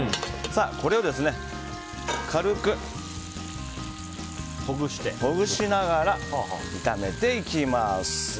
これを軽くほぐしながら炒めていきます。